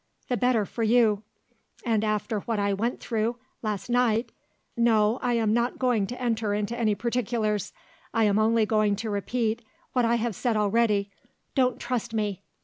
the better for you. After what I went through, last night no, I am not going to enter into any particulars; I am only going to repeat, what I have said already don't trust me.